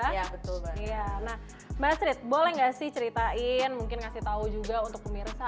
iya betul iya nah mbak strit boleh nggak sih ceritain mungkin ngasih tahu juga untuk pemirsa